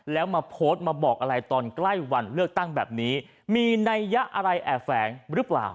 แล้วมาโพสต์มาบอกอะไรตอนใกล้วันเลือกตั้งแบบนี้มีนัยยะอะไรแอบแฝงหรือเปล่า